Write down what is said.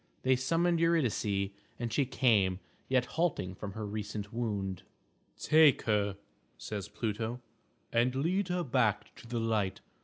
They summoned Eurydice, and she came, yet halting from her recent wound. "Take her," says Pluto, "and lead her back to the light.